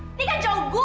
ini kan jauh gue